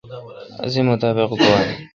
اسی مطابق گوا این۔